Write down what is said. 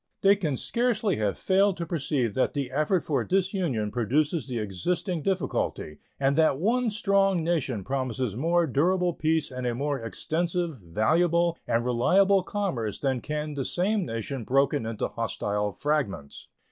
They can scarcely have failed to perceive that the effort for disunion produces the existing difficulty, and that one strong nation promises more durable peace and a more extensive, valuable, and reliable commerce than can the same nation broken into hostile fragments.